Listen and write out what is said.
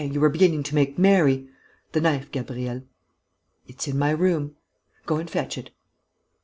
Ah, Lupin, you were beginning to make merry!... The knife, Gabriel." "It's in my room." "Go and fetch it."